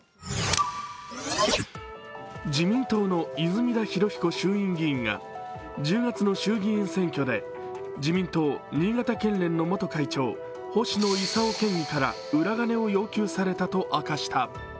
自民党の泉田裕彦衆院議員が１０月の衆議院選挙で自民党新潟県連の元会長星野伊佐夫県議から裏金を要求されたと明かした。